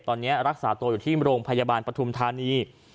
ตอนนี้รักษาตัวอยู่ที่โรงพยาบาลปฐุมธานี